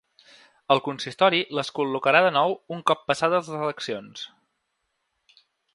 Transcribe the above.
El consistori les col·locarà de nou un cop passades les eleccions.